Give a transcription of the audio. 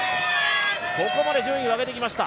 ここまで順位を上げてきました。